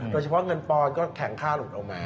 โดยเฉพาะเงินปอนก็แข็งค่าหลุดออกมา